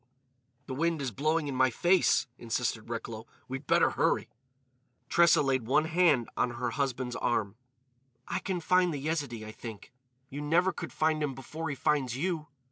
"The wind is blowing in my face," insisted Recklow. "We'd better hurry." Tressa laid one hand on her husband's arm. "I can find the Yezidee, I think. You never could find him before he finds you!